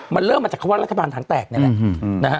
มันเริ่มมาจากคำว่ารัฐบาลถังแตกนี่แหละนะฮะ